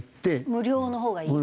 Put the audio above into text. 無料の方がいい？